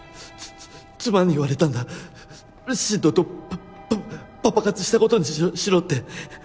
妻に言われたんだ新堂とパパパ活したことにしろって。